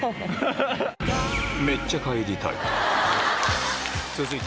めっちゃ帰りたい。